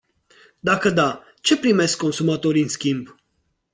Dacă da, ce primesc consumatorii în schimb?